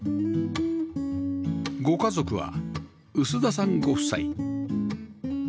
ご家族は臼田さんご夫妻